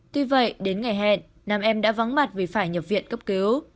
tuy vậy đến ngày hẹn nam em đã vắng mặt vì phải nhập viện cấp cứu